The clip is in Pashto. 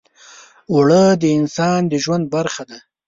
اوړه د انسان د ژوند برخه ده